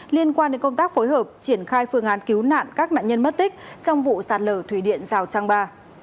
liên quan đến công tác phối hợp triển khai phương án cứu nạn các nạn nhân mất tích trong vụ sạt lở thủy điện rào trang ba